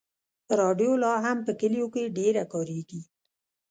راډیو لا هم په کلیو کې ډېره کارېږي.